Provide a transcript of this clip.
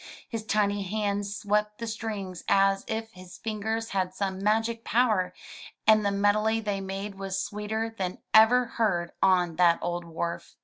His tiny hands swept the strings as if his fingers had some magic power, and the melody they made was sweeter than ever heard on that old wharf.